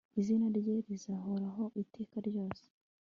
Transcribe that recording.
izina rye rizahoraho iteka ryose